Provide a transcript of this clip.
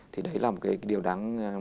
thì đấy là một cái điều đáng